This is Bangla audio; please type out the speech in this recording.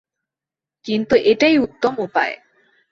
কিন্তু এটাই উত্তম উপায়।